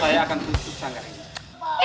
saya akan menutup sanggar ini